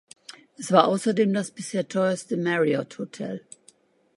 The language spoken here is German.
Es war außerdem das bisher teuerste Mariott-Hotel.